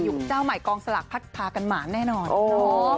อยู่กับเจ้าใหม่กองสลักพัดพากันหมาแน่นอน